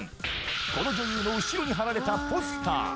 この女優の後ろに貼られたポスター